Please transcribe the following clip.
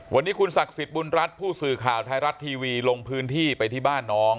วันนี้คุณศักดิ์สิทธิ์บุญรัฐผู้สื่อข่าวไทยรัฐทีวีลงพื้นที่ไปที่บ้านน้อง